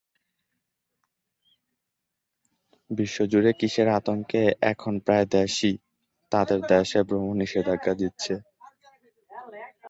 বিশ্বজুড়ে কিসের আতঙ্কে এখন প্রায় দেশই তাদের দেশে ভ্রমণ নিষেধাজ্ঞা দিচ্ছে?